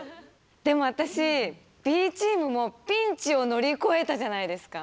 でも私Ｂチームもピンチを乗り越えたじゃないですか。